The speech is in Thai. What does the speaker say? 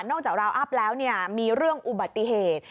จากราวอัพแล้วมีเรื่องอุบัติเหตุ